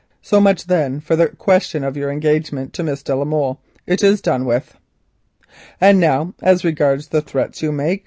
So much then for the question of your engagement to Miss de la Molle. It is done with. "Now as regards the threats you make.